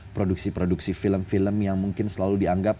produksi produksi film film yang mungkin selalu dianggap